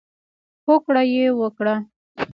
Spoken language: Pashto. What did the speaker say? هوکړه یې وکړه.